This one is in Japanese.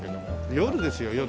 夜ですよ夜ね。